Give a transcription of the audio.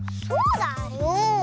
そうだよ。